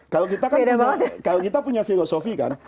kalau kita punya filosofi kan